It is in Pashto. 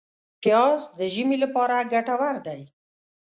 پیاز د ژمي لپاره ګټور دی